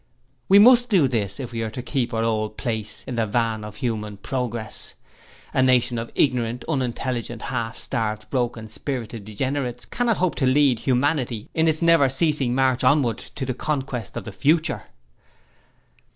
'We must do this if we are to keep our old place in the van of human progress. A nation of ignorant, unintelligent, half starved, broken spirited degenerates cannot hope to lead humanity in its never ceasing march onward to the conquest of the future.